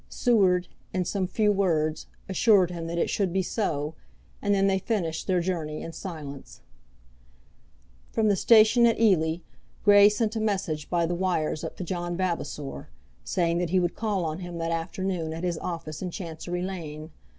Seward, in some few words, assured him that it should be so, and then they finished their journey in silence. From the station at Ely, Grey sent a message by the wires up to John Vavasor, saying that he would call on him that afternoon at his office in Chancery Lane.